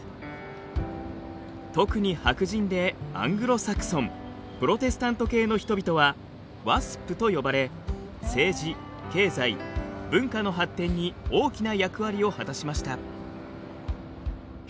特に白人でアングロサクソンプロテスタント系の人々はワスプと呼ばれ政治経済文化の発展に大きな役割を果たしました。